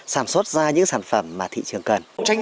sản xuất ra những sản phẩm mà thị trường cần